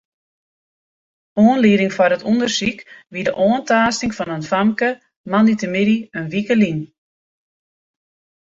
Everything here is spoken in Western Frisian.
Oanlieding foar it ûndersyk wie de oantaasting fan in famke moandeitemiddei in wike lyn.